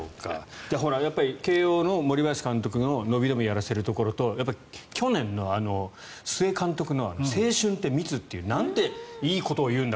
やっぱり慶応の森林監督の伸び伸びやらせるところと去年の須江監督の青春って密っていうなんていいことを言うんだ